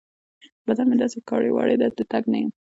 بدن مې داسې کاړې واړې دی؛ د تګ نه يم.